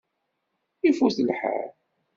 Ifut lḥal.